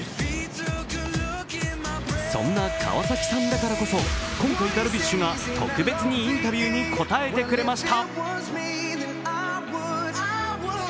そんな川崎さんだからこそ、今回ダルビッシュが特別にインタビューに答えてくれました。